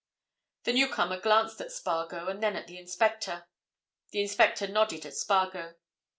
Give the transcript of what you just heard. The newcomer glanced at Spargo, and then at the inspector. The inspector nodded at Spargo.